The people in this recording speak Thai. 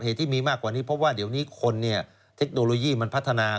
ที่มีมากกว่านี้เพราะว่าเดี๋ยวนี้คนเนี่ยเทคโนโลยีมันพัฒนา